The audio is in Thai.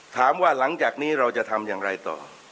หลังจากนี้เราจะทำอย่างไรต่อ